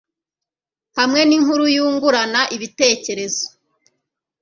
hamwe ninkuru yungurana ibitekerezo